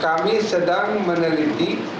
kami sedang meneliti